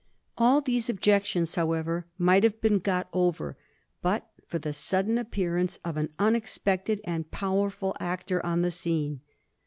All these objections, however, might have been got over, but for the sudden ap pearance of an unexpected and a powerful actor on the scene.